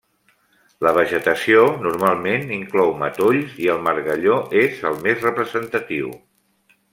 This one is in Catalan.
La vegetació normalment inclou matolls, i el margalló és el més representatiu.